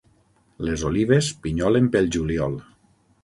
Les olives pinyolen pel juliol.